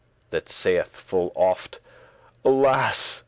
that saith full oft, "Alas!